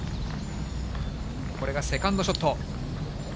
これがセカンドショット。